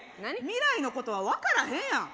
未来のことは分からへんやん。